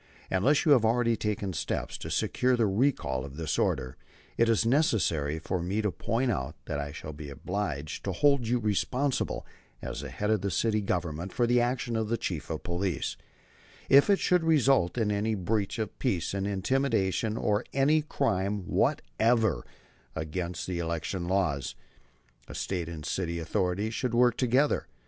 Unless you have already taken steps to secure the recall of this order, it is necessary for me to point out that I shall be obliged to hold you responsible as the head of the city government for the action of the Chief of Police, if it should result in any breach of the peace and intimidation or any crime whatever against the election laws. The State and city authorities should work together.